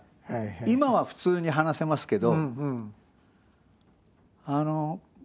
今は普通に話せますけど。